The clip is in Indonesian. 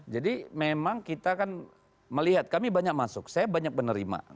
jadi memang kita kan melihat kami banyak masuk saya banyak menerima